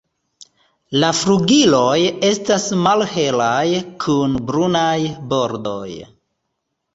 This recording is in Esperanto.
La flugiloj estas malhelaj kun brunaj bordoj.